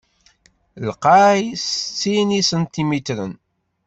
lqay s settin n yisantimitren.